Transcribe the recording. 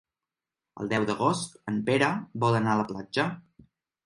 El deu d'agost en Pere vol anar a la platja.